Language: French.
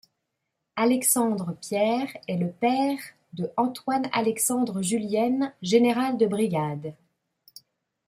Alexandre Pierre est le père de Antoine Alexandre Julienne, général de brigade.